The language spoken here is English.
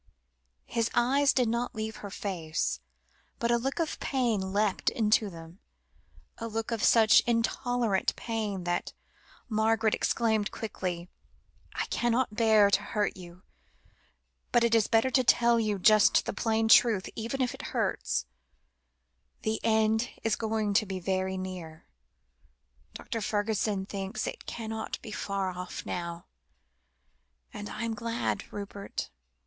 His eyes did not leave her face, but a look of pain leapt into them, a look of such intolerable pain, that Margaret exclaimed quickly "I cannot bear to hurt you, but it is better to tell you just the plain truth, even if it hurts you. The end is going to be very soon. Dr. Fergusson thinks it can't be far off now, and I am glad, Rupert.